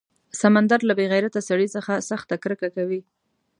سمندر له بې غیرته سړي څخه سخته کرکه کوي.